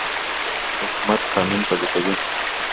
حکومت قانون پلی کوي.